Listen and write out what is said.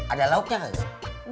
ada lauknya kakak